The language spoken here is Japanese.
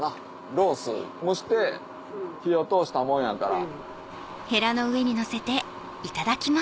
ロース蒸して火を通したもんやから。